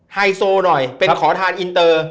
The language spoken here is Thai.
ไฮโซหน่อยเป็นขอทานอินเตอร์